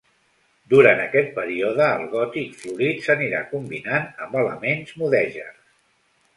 Durant aquest període el gòtic florit s'anirà combinant amb elements mudèjars.